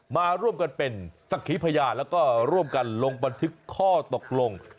มาร่วมกันเป็นสักขีพยานแล้วก็ร่วมกันลงบันทึกข้อตกลง